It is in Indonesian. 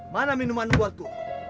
mana minuman buatku